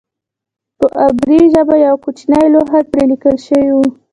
په عبري ژبه یوه کوچنۍ لوحه پرې لیکل شوې وه.